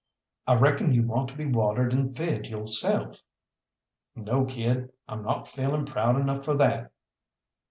I reckon you want to be watered and fed yo'self." "No, kid, I'm not feeling proud enough for that."